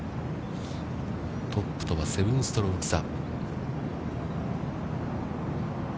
トップとは７ストローク差。